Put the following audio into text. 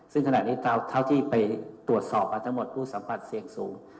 ซึ่งขณะนี้เท่าที่ไปตรวจสอบมาทั้งหมดผู้สัมผัสเสี่ยงสูง